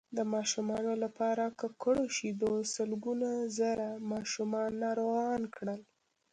د ماشومانو لپاره ککړو شیدو سلګونه زره ماشومان ناروغان کړل